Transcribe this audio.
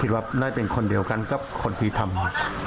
ว่าน่าจะเป็นคนเดียวกันกับคนที่ทำ